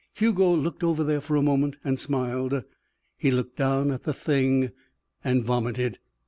Hugo looked over there for a moment and smiled. He looked down at the thing and vomited.